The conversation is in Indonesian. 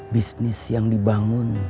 bisnis yang dibangun